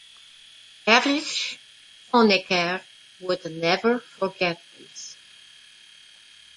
Erich Honecker would never forget this.